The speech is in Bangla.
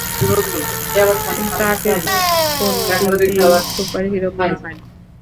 তাকে তো কোনো দিক দিয়েই সুপারহিরো মনে হয় না।